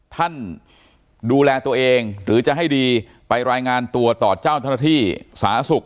ท่านดูแลตัวเองหรือจะให้ดีไปรายงานตัวต่อเจ้าหน้าที่สาธารณสุข